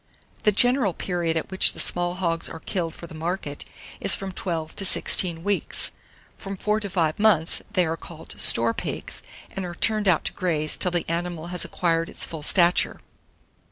The general period at which the small hogs are killed for the market is from 12 to 16 weeks; from 4 to 5 mouths, they are called store pigs, and are turned out to graze till the animal has acquired its full stature.